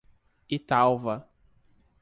Italva